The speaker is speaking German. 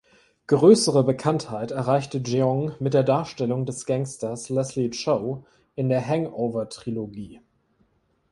Größere Bekanntheit erreichte Jeong mit der Darstellung des Gangsters "Leslie Chow" in der "Hangover"-Trilogie.